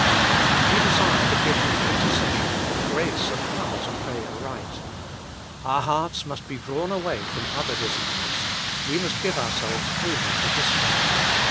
We desire the gift of intercession, grace and power to pray aright. Our hearts must be drawn away from other desires: we must give ourselves wholly to this one.